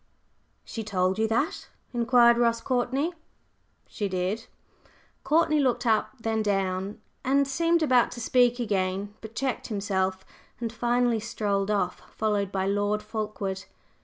"She told you that?" inquired Ross Courtney. "She did." Courtney looked up, then down, and seemed about to speak again, but checked himself and finally strolled off, followed by Lord Fulkeward.